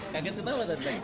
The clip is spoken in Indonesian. kaget ketawa datang